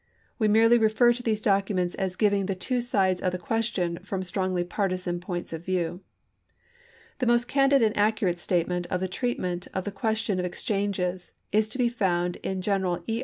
We merely refer to these documents as giving the two sides of the question from strongly partisan points of view. The most candid and accurate statement of the treatment of the question of exchanges is to be found in Greneral E.